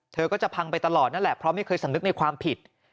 เธอก็จะพังไปตลอดนั่นแหละเพราะไม่เคยสำนึกในความผิด